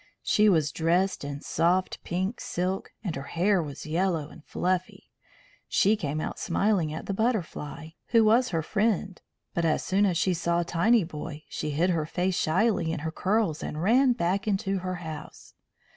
She was dressed in soft pink silk, and her hair was yellow and fluffy. She came out smiling at the Butterfly, who was her friend, but as soon as she saw Tinyboy she hid her face shyly in her curls and ran back into her house.